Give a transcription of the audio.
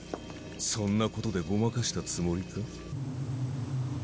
そんなことでごまかしたつもりか？